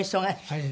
はい。